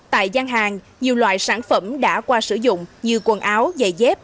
tại gian hàng nhiều loại sản phẩm đã qua sử dụng như quần áo giày dép